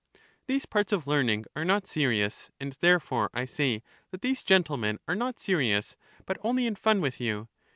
These parts of learning are not serious, and therefore I say that these gentlemen are not serious, but only in fun with you.